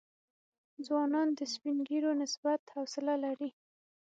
ځوانان د سپین ږیرو نسبت حوصله لري.